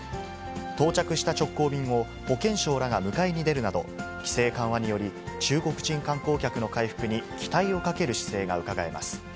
到着した直行便を、保健相らが迎えに出るなど、規制緩和により、中国人観光客の回復に期待をかける姿勢がうかがえます。